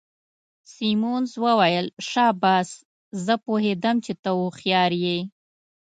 سیمونز وویل: شاباس، زه پوهیدم چي ته هوښیار يې.